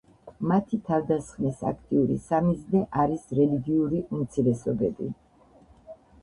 მათი თავდასხმის აქტიური სამიზნე არის რელიგიური უმცირესობები.